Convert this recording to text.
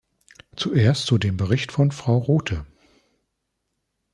Zuerst zu dem Bericht von Frau Rothe.